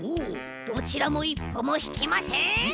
どちらもいっぽもひきません！